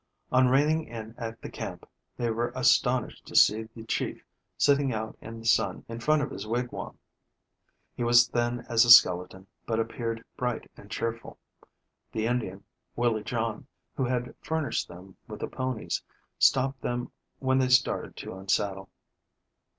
On reining in at the camp, they were astonished to see the chief sitting out in the sun in front of his wigwam. He was thin as a skeleton, but appeared bright and cheerful. The Indian, Willie John, who had furnished them with the ponies, stopped them when they started to unsaddle.